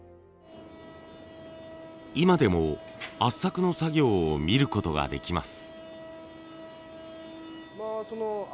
今でも圧搾の作業を見ることができます。